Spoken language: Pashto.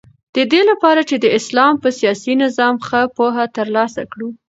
ددې لپاره چی د اسلام په سیاسی نظام ښه پوهه تر لاسه کړو